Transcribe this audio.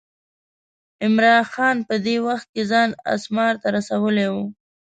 عمرا خان په دې وخت کې ځان اسمار ته رسولی و.